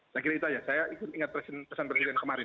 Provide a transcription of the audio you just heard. sekian itu saja saya ingat pesan presiden kemarin